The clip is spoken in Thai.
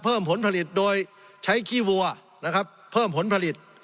เพิ่มผลผลิตโดยใช้ขี้วัวนะครับเพิ่มผลผลิต